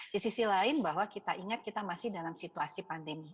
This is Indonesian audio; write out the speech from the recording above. di sisi lain bahwa kita ingat kita masih dalam situasi pandemi